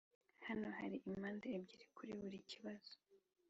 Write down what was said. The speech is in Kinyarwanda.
hano hari impande ebyiri kuri buri kibazo